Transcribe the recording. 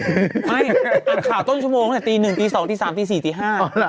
ไม่อ่านข่าวต้นชั่วโมงตั้งแต่ตีหนึ่งตีสองตีสามตีสี่ตีห้า